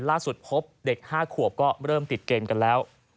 พบเด็ก๕ขวบก็เริ่มติดเกมกันแล้ว